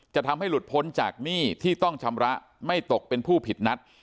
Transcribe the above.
ทำให้หลุดพ้นจากหนี้ที่ต้องชำระไม่ตกเป็นผู้ผิดนัด